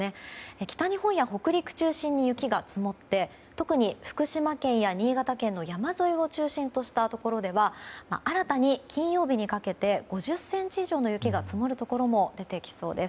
北日本や北陸を中心に雪が積もりそうで特に福島県や新潟県の山沿いを中心としたところでは新たに金曜日にかけて５０ｃｍ以上の雪が積もるところも出てきそうです。